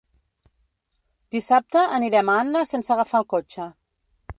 Dissabte anirem a Anna sense agafar el cotxe.